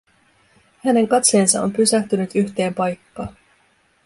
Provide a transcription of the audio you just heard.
Hänen katseensa on pysähtynyt yhteen paikkaan.